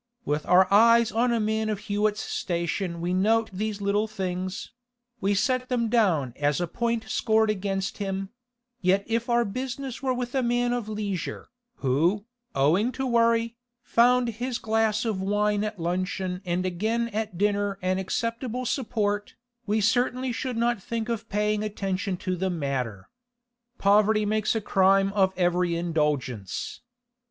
With our eyes on a man of Hewett's station we note these little things; we set them down as a point scored against him; yet if our business were with a man of leisure, who, owing to worry, found his glass of wine at luncheon and again at dinner an acceptable support, we certainly should not think of paying attention to the matter. Poverty makes a crime of every indulgence.